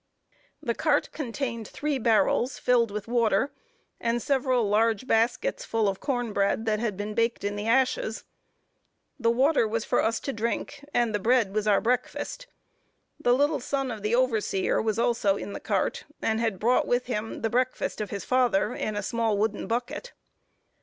The cart contained three barrels, filled with water, and several large baskets full of corn bread that had been baked in the ashes. The water was for us to drink, and the bread was our breakfast. The little son of the overseer was also in the cart, and had brought with him the breakfast of his father, in a small wooden bucket.